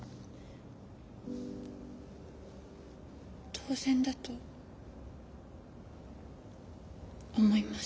当然だと思います。